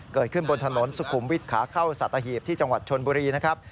เกิดขึ้นบนถนนสุขุมวิทย์ขาเข้าสัตหีบที่จังหวัดชนบุรีนะครับ